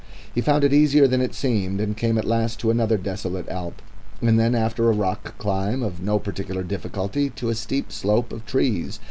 He found it easier than it seemed, and came at last to another desolate alp, and then after a rock climb of no particular difficulty to a steep slope of trees.